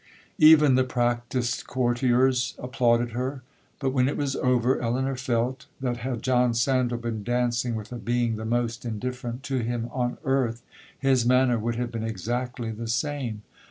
Even the practised courtiers applauded her. But, when it was over, Elinor felt, that had John Sandal been dancing with a being the most indifferent to him on earth, his manner would have been exactly the same.